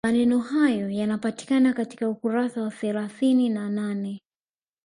Maneno hayo yanapatikana katika ukurasa wa thelathini na nane